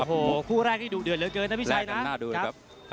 โอ้โหคู่แรกที่ดูเดือนเหลือเกินนะพี่ชัยนะแรกกันน่าเดือนครับครับ